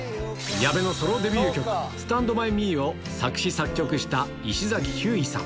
矢部のソロデビュー曲、スタンドバイミーを作詞作曲した石崎ひゅーいさん。